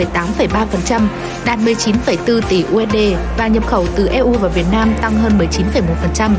trong đó xuất khẩu tăng một mươi tám ba đạt một mươi chín bốn tỷ usd và nhập khẩu từ eu và việt nam tăng hơn một mươi chín một